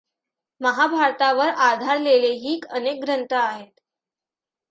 महाभारतावर आधारलेलेही अनेक ग्रंथ आहेत.